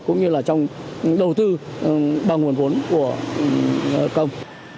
cũng như là trong đầu tư bằng nguồn nguyên nhân